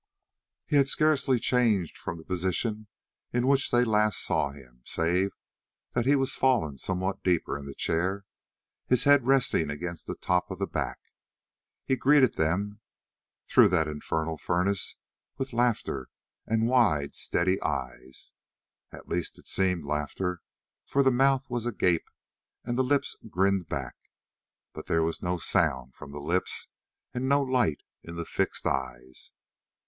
He had scarcely changed from the position in which they last saw him, save that he was fallen somewhat deeper in the chair, his head resting against the top of the back. He greeted them, through that infernal furnace, with laughter, and wide, steady eyes. At least it seemed laughter, for the mouth was agape and the lips grinned back, but there was no sound from the lips and no light in the fixed eyes.